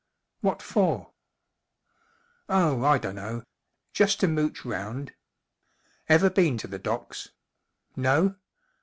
" What for ?"" Oh, I dunno. Just to mooch round. Ever been to the docks ? No